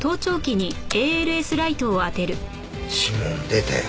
指紋出たよ。